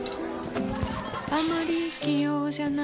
あまり器用じゃないほうです。